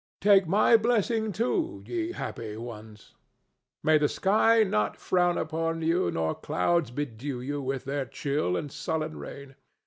—Take my blessing too, ye happy ones! May the sky not frown upon you nor clouds bedew you with their chill and sullen rain!